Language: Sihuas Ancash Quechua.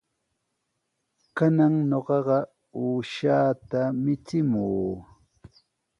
Kanan ñuqapa uushaata michimuy.